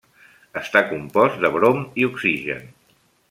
Està compost de brom i oxigen.